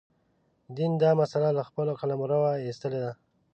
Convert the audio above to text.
دین دا مسأله له خپل قلمروه ایستلې ده.